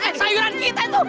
mak ya sayuran kita itu